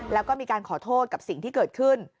แล้วก็มีการขอโทษกับสิ่งที่เกิดขึ้น